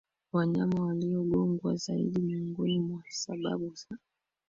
wanyama waliogongwa zaidi Miongoni mwa sababu za